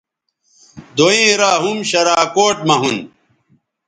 دوئیں را ھُم شراکوٹ مہ ھُون